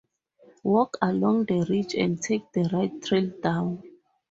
Walk along the ridge and take the right trail down.